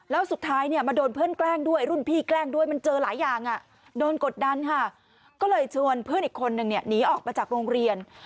แล้วสุดท้ายเนี่ยมาโดนเพื่อนแกล้งด้วยรุ่นพี่แกล้งด้วยมันเจอหลายอย่างโดนกดดันค่ะก็เลยชวนเพื่อนอีกคนนึงเนี่ยหนีออกมาจากโรงเรียน